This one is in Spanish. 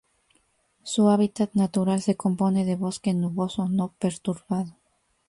Su hábitat natural se compone de bosque nuboso no perturbado.